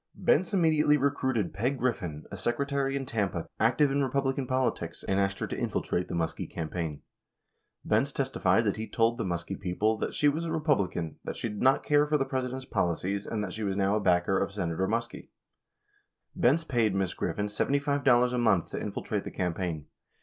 48 Benz immediately recruited Peg Griffin, a secretary in Tampa, active in Republican politics, and asked her to infiltrate the Muskie campaign. Benz testified that he told the Muskie people that "she was a Repub lican, that she did not care for the President's policies, and that she was now a backer of Senator Muskie." 49 Benz paid Ms. Griffin $75 a month to infiltrate the campaign.